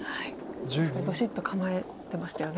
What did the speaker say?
ドシッと構えてましたよね。